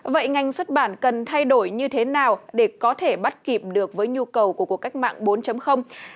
vậy ngành xuất bản cần thay đổi như thế nào để có thể bắt kịp được với nhu cầu của cuộc cách mạng bốn